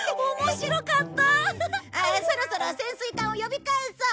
そろそろ潜水艦を呼び返そう。